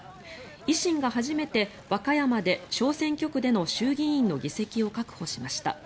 維新が初めて和歌山で小選挙区での衆議院の議席を確保しました。